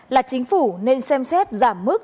là chính phủ nên xem xét giảm mức